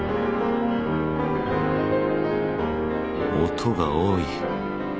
音が多い。